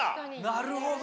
なるほど。